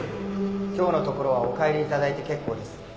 今日のところはお帰り頂いて結構です。